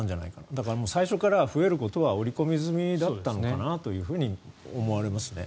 だから、最初から増えることは織り込み済みだったのかなと思われますね。